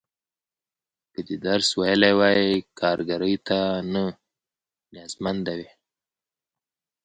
که دې درس ویلی وای، کارګرۍ ته نه نیازمنده وې.